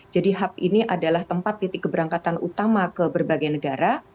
jadi hub ini adalah tempat titik keberangkatan utama ke luar negara dan ke luar negara